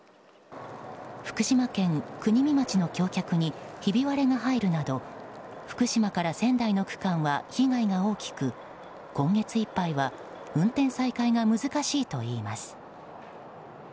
福島県国見町の橋脚にひび割れが入るなど福島から仙台の区間は被害が大きく今月いっぱいは運転再開が難しいといいます。